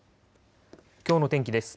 きょうの天気です。